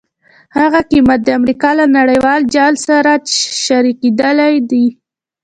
هغه قیمت د امریکا له نړیوال جال سره شریکېدل دي.